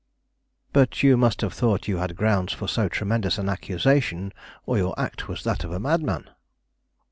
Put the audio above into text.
"But you must have thought you had grounds for so tremendous an accusation, or your act was that of a madman."